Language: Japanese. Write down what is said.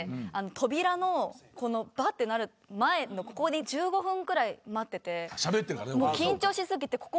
扉のばってなる前のここに１５分くらい待ってて。